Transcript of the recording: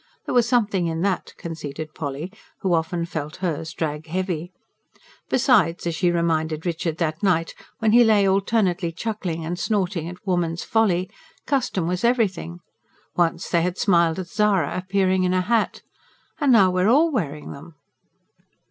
There was something in that, conceded Polly, who often felt hers drag heavy. Besides, as she reminded Richard that night, when he lay alternately chuckling and snorting at woman's folly, custom was everything. Once they had smiled at Zara appearing in a hat: "And now we're all wearing them."